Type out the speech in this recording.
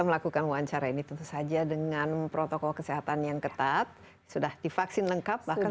melakukan wawancara ini tentu saja dengan protokol kesehatan yang ketat sudah divaksin lengkap bahkan